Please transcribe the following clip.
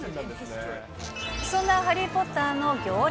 そんなハリー・ポッターの行列。